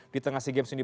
di tengah sea games ini